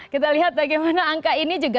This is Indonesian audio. kita lihat bagaimana angka ini juga